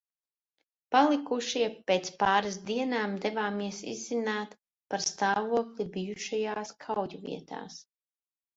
Palikušie pēc pāris dienām devāmies izzināt par stāvokli bijušajās kauju vietās.